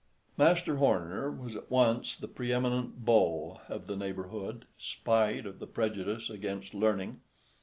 Master Horner was at once the preëminent beau of the neighborhood, spite of the prejudice against learning.